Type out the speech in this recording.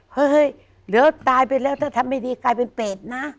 เฮ้ยเดี๋ยวตายไปแล้วถ้าทำไม่ดีกลายเป็นเปรตนะ